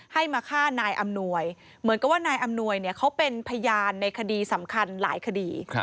ให้มาฆ่านายอำนวยเหมือนกับว่านายอำนวยเนี่ยเขาเป็นพยานในคดีสำคัญหลายคดี